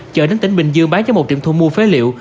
chở đến tỉnh bình dương bán cho một triệu thu mua phế liệu